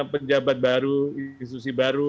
pejabat baru institusi baru